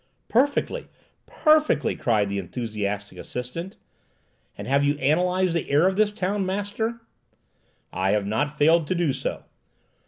"Perfectly! perfectly!" cried the enthusiastic assistant; "and have you analyzed the air of this town, master?" "I have not failed to do so.